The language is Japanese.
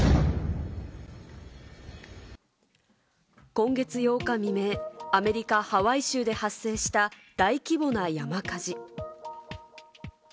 今月８日未明、アメリカ・ハワイ州で発生した大規模な山火事。